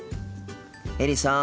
エリさん。